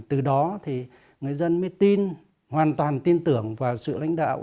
từ đó thì người dân mới tin hoàn toàn tin tưởng vào sự lãnh đạo